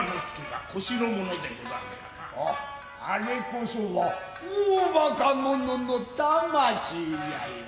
アアあれこそは大馬鹿者の魂じゃいな。